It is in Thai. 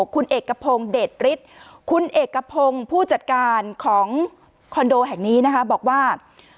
คุณเอกพงศ์เดชฤทธิ์คุณเอกพงศ์ผู้จัดการของคอนโดแห่งนี้นะคะบอกว่า